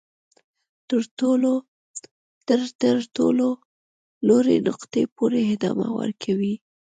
تر تر ټولو لوړې نقطې پورې ادامه ورکوي.